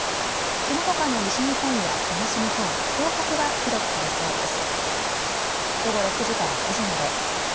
そのほかの西日本や東日本、東北は広く晴れそうです。